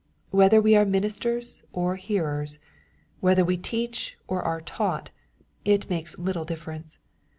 Whether we are ministers or hearers, whether we teach or are taught, it makes little difference.